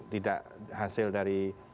tidak hasil dari